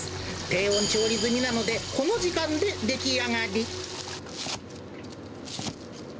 低温調理済みなので、この時間で出来上がり。